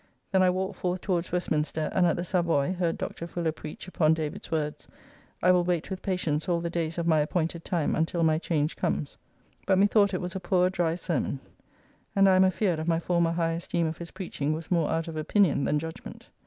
Then I walked forth towards Westminster and at the Savoy heard Dr. Fuller preach upon David's words, "I will wait with patience all the days of my appointed time until my change comes;" but methought it was a poor dry sermon. And I am afeard my former high esteem of his preaching was more out of opinion than judgment.